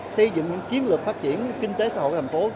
xây dựng những kiến lược phát triển kinh tế xã hội thành phố